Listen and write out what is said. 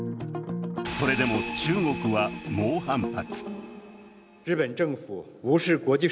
それでも中国は猛反発。